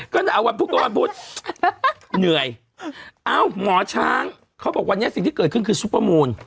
ก็เดี๋ยวเอาวันพุธก็วันพุธเหนื่อยเอ้าหมอช้างเขาบอกวันนี้สิ่งที่เกิดขึ้นคือซุปเปอร์มูล